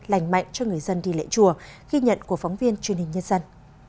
lành mạnh cho người dân đi lễ chùa ghi nhận của phóng viên truyền hình nhân dân